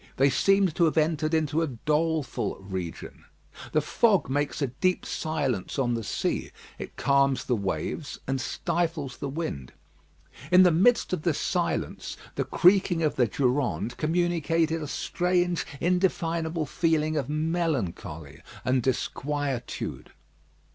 They seemed to have entered into a doleful region. The fog makes a deep silence on the sea; it calms the waves, and stifles the wind. In the midst of this silence, the creaking of the Durande communicated a strange, indefinable feeling of melancholy and disquietude.